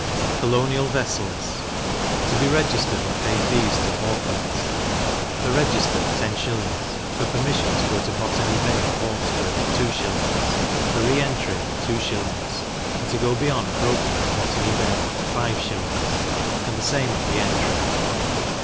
Colonial Vessels to be registered, and pay fees to Orphans: for register, ten shillings; for permission to go to Botany Bay or Hawkesbury, two shillings; for re entry, two shillings; and, to go beyond Broken or Botany Bay, five shillings, and the same at re entry.